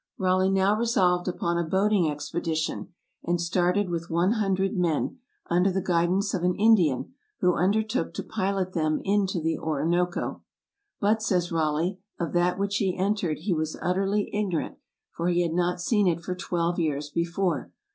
Raleigh now resolved upon a boating expedition, and started with one hundred men, under the guidance of an Indian, who undertook to pilot them into the Orinoco. "But," says Raleigh, "of that which he entered he was utterly ignorant, for he had not seen it for twelve years be fore.